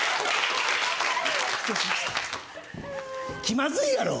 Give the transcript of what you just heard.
気まずいやろ！